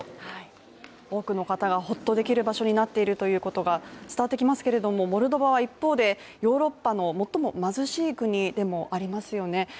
多くの方がほっとできる場所になっているということが伝わってきますけれどもモルドバは一方で、ヨーロッパの最も貧しい国でもありますよね。